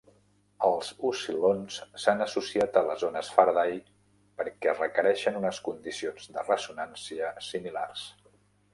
Els oscil·lons s'han associat a les ones Faraday perquè requereixen unes condicions de ressonància similars.